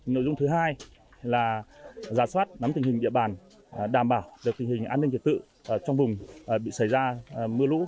nội dung thứ hai là giả soát nắm tình hình địa bàn đảm bảo được tình hình an ninh trật tự trong vùng bị xảy ra mưa lũ